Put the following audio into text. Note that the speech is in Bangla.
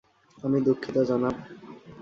আমি দুঃখিত, জনাব।